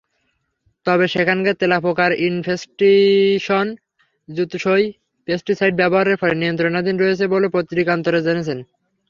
তবে সেখানকার তেলাপোকার ইনফেস্টিসন যুতসই পেস্টিসাইড ব্যবহারের ফলে নিয়ন্ত্রণাধীন রয়েছে বলে পত্রিকান্তরে জেনেছেন।